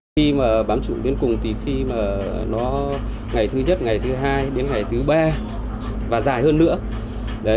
khi mà bám trụ bên cùng thì khi mà nó ngày thứ nhất ngày thứ hai đến ngày thứ ba và dài hơn nữa